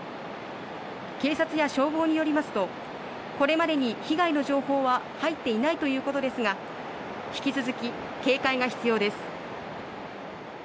警察や消防によりますとこれまでに被害の情報は入っていないということですが引き続き、警戒が必要です。